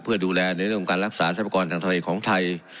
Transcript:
เพื่อดูแลในเรื่องการรักษาใช้ประกอบทางทะเลของไทย